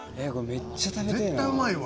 絶対うまいわ。